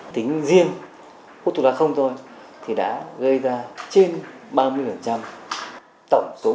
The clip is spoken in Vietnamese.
tính riêng hút thuốc lá không thôi thì đã gây ra trên ba mươi tổng số bệnh ung thư ở người